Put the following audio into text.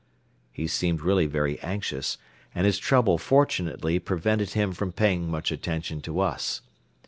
He seemed really very anxious and his trouble fortunately prevented him from paying much attention to us.